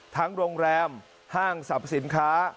โรงแรมห้างสรรพสินค้า